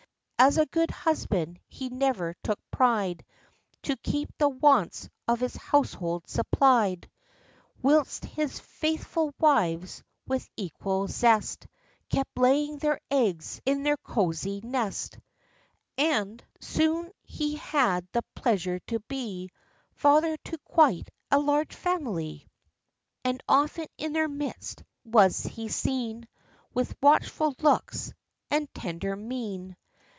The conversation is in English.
As a good husband, he ever took pride To keep the wants of his household supplied; 6 62 THE LIFE AND ADVENTURES Whilst his faithful wives, with equal zest, Kept laying their eggs in their cozy nest. And soon he had the pleasure to be Father to quite a large family; And often in their midst was he seen. With watchful looks, and tender mien.